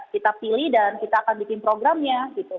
kita pilih dan kita akan bikin programnya gitu